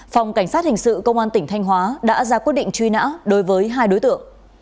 phòng cảnh sát hình sự công an tỉnh thanh hóa đã ra quyết định truy nã đối với hai đối tượng